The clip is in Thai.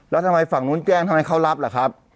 แล้วทำไมฝั่งนู้นแจ้งทำไมเขารับล่ะครับ